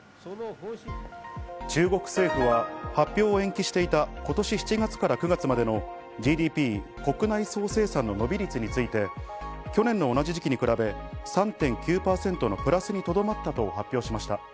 中国政府は発表を延期していた今年７月から９月までのＧＤＰ＝国内総生産の伸び率について、去年の同じ時期に比べ、３．９％のプラスにとどまったと発表しました。